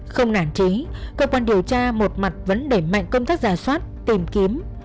không nản trí cơ quan điều tra một mặt vấn đề mạnh công tác rà soát tìm kiếm